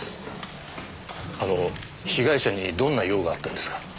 あの被害者にどんな用があったんですか？